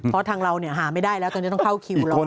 เพราะทางเราหาไม่ได้แล้วตอนนี้ต้องเข้าคิวรอ